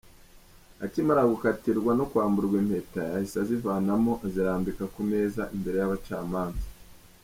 Akimara gukatirwa no kwamburwa impeta, yahise azivanamo azirambika ku meza imbere y’abacamanza.